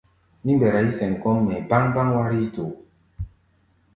Mí mbɛra yí-sɛm kɔ́ʼm mɛʼi̧ báŋ-báŋ wár yíítoó.